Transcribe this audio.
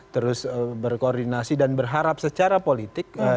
terus berkoordinasi dan berharap secara politik